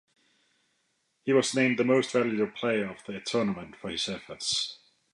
He was named the Most Valuable Player of the tournament for his efforts.